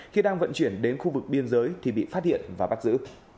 khi đang vận chuyển đến khu vực biên giới thì bị phát hiện và bắt giữ